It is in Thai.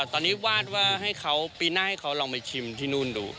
ตอนนี้วาดว่าให้เขาปีหน้าให้เขาลองไปชิมที่นู่นดู